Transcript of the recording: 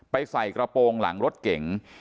ใส่กระโปรงหลังรถเก๋ง